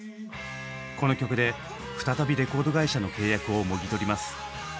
この曲で再びレコード会社の契約をもぎ取ります。